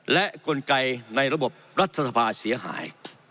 และกลไกในระบบรัฐสภาเสียหาย